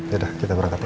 ya udah kita berangkat ya